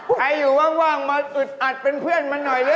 ใครอยู่ว่างมาอึดอัดเป็นเพื่อนมันหน่อยหรือ